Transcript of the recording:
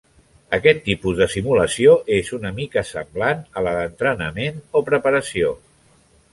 Aquest tipus de simulació és una mica semblant a la d'entrenament o preparació.